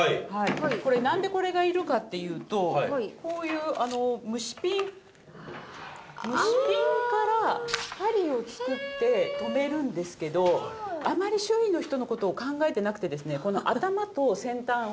これなんでこれがいるかっていうとこういう虫ピン虫ピンから針を作って留めるんですけどあまり周囲の人の事を考えてなくてですね。